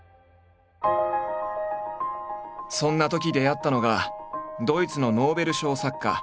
そんなとき出会ったのがドイツのノーベル賞作家